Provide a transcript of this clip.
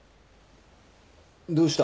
どうした？